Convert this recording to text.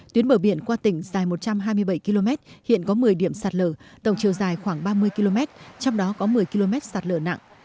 tuyến bờ biển qua tỉnh dài một trăm hai mươi bảy km hiện có một mươi điểm sạt lở tổng chiều dài khoảng ba mươi km trong đó có một mươi km sạt lở nặng